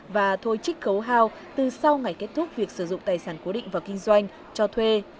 và thôi trích khấu hao từ sau ngày kết thúc việc sử dụng tài sản cố định vào kinh doanh cho thuê